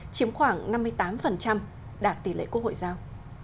chiếm khoảng năm mươi tám đạt tỷ lệ quốc hội giao